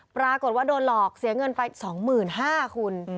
ปรากฏว่าโดนหลอกเสียเงินไป๒๕๐๐คุณ